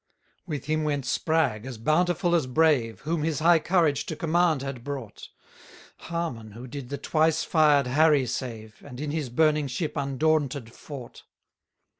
174 With him went Spragge, as bountiful as brave, Whom his high courage to command had brought: Harman, who did the twice fired Harry save, And in his burning ship undaunted fought.